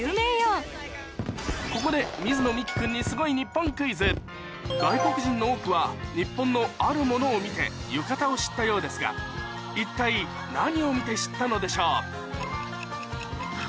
ここで水野美紀君に外国人の多くは日本のあるものを見てゆかたを知ったようですが一体何を見て知ったのでしょう？